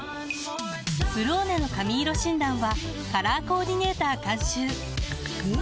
「ブローネ」の髪色診断はカラーコーディネーター監修おっ！